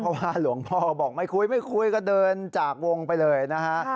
เพราะว่าหลวงพ่อบอกไม่คุยไม่คุยก็เดินจากวงไปเลยนะฮะ